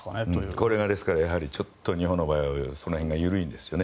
これが日本の場合はその辺が緩いんですよね。